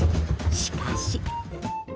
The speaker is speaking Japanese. しかし。